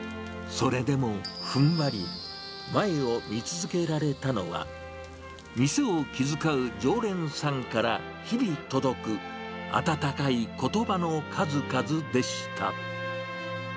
それでも、ふんばり、前を見続けられたのは、店を気遣う常連さんから日々届く、温かいことばの数々でした。